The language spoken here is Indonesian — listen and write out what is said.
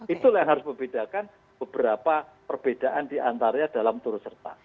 itulah yang harus membedakan beberapa perbedaan diantaranya dalam turut serta